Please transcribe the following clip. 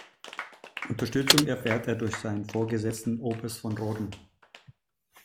Unterstützung erfährt er durch seinen Vorgesetzten Oberst von Roden.